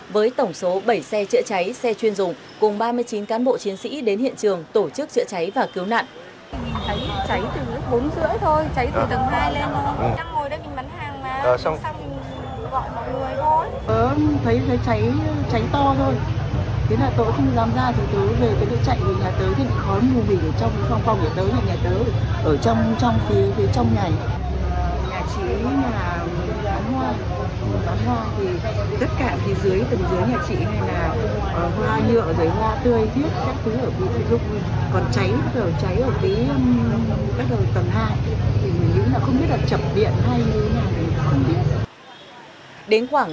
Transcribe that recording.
với tổng số bảy xe chữa cháy xe chuyên dùng cùng ba mươi chín cán bộ chiến sĩ đến hiện trường tổ chức chữa cháy và cứu nạn